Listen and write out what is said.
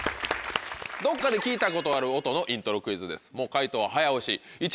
どっかで聞いたことある音のイントロクイズです。